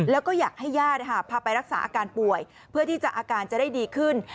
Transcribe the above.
แล้วก็อยากให้ญาติพาไปรักษาอาการป่วยเพื่อที่จะอาการจะได้ดีขึ้น